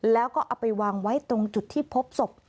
แล้วก็เอาไปวางไว้ตรงจุดที่พบศพ